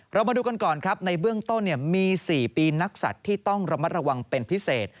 เรามาดูกันก่อนครับในเบื้องต้นมี๔ปีนักสัตว์ที่ต้องระมัดระวังเป็นพิเศษ